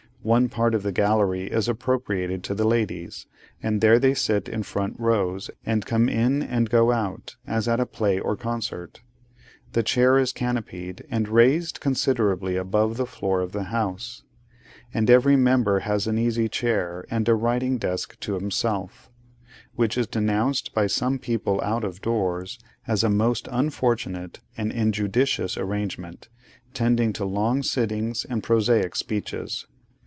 One part of the gallery is appropriated to the ladies, and there they sit in front rows, and come in, and go out, as at a play or concert. The chair is canopied, and raised considerably above the floor of the House; and every member has an easy chair and a writing desk to himself: which is denounced by some people out of doors as a most unfortunate and injudicious arrangement, tending to long sittings and prosaic speeches.